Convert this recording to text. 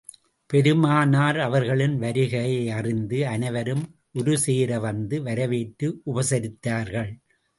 பெருமானார் அவர்களின் வருகையை அறிந்த அனைவரும் ஒரு சேர வந்து வரவேற்று உபசரித்தார்கள்.